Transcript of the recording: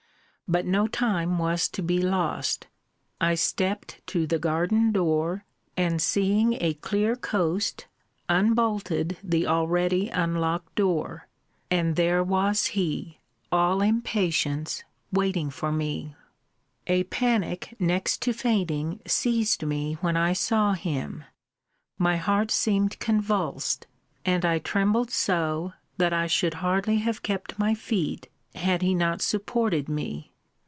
but no time was to be lost. I stept to the garden door; and seeing a clear coast, unbolted the already unlocked door and there was he, all impatience, waiting for me. A panic next to fainting seized me when I saw him. My heart seemed convulsed; and I trembled so, that I should hardly have kept my feet, had he not supported me.